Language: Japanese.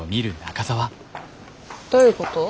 どういうこと？